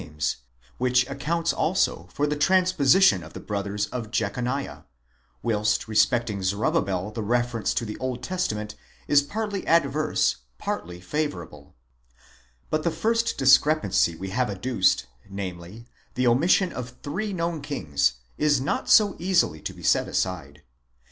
GENEALOGICAL TABLES OF MATTHEW AND LUKE, 111 72:50"), which accounts also for the transpositon of the brothers of Jechoniah ; whilst respecting Zorobabel the reference to the Old Testament is partly adverse, partly favourable. But the first discrepancy we have adduced, namely, the omission of three known kings, is not so easily to be set aside.